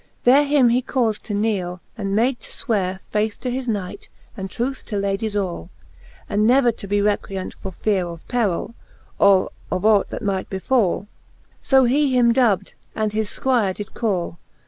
XXXV. There him he caufd to kneele, and made to fweare Faith to his knight, and truth to Ladies all, And never to be recreant, for feare Of perill, or of ought that might befall: So he him dubbed, and his Squire did call.